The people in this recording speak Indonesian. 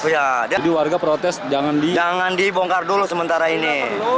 jadi warga protes jangan dibongkar dulu sementara ini